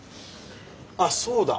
あっそうだ。